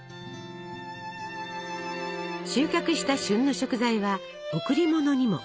収穫した旬の食材は贈り物にも。